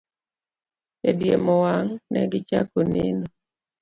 E diemo wang', ne gichako neno!